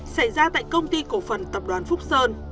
xảy ra tại công ty cổ phần tập đoàn phúc sơn